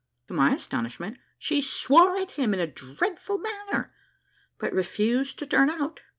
To my astonishment, she swore at him in a dreadful manner, but refused to turn out.